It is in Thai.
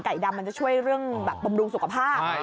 ดำมันจะช่วยเรื่องแบบบำรุงสุขภาพ